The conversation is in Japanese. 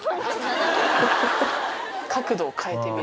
角度を変えてみる。